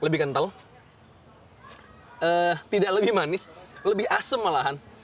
lebih kental tidak lebih manis lebih asem malahan